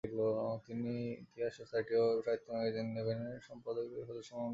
তিনি ইতিহাস সোসাইটি ও সাহিত্য ম্যাগাজিন নেভেন-এর সম্পাদকীয় মন্ডলীর সদস্য ছিলেন।